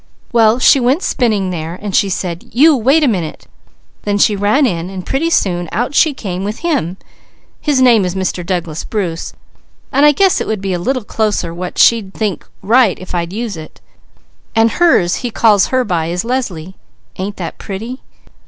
Well she went spinning there, and she said 'you wait a minute,' then she ran in and pretty soon out she came with him. His name is Mr. Douglas Bruce, and I guess it would be a little closer what She'd think right if I'd use it. And hers he calls her by, is Leslie. Ain't that pretty?